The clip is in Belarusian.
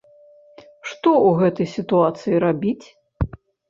Што ў гэтай сітуацыі рабіць?